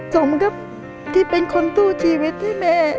สมครับที่เป็นคนสู้ชีวิตให้แม่